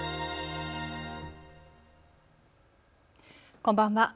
こんばんは。